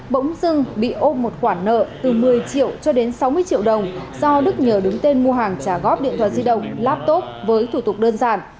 bỗng dưng bị ôm một khoản nợ từ một mươi triệu cho đến sáu mươi triệu đồng do đức nhờ đứng tên mua hàng trả góp điện thoại di động laptop với thủ tục đơn giản